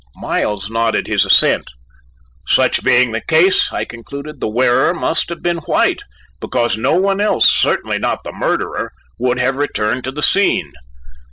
Miles nodded his assent. "Such being the case," I concluded, "the wearer must have been White, because no one else, certainly not the murderer, would have returned to the scene."